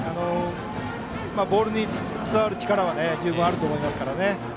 ボールに伝わる力は十分あると思いますからね。